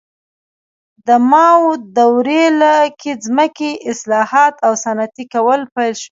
د ماو دورې کې ځمکې اصلاحات او صنعتي کول پیل شول.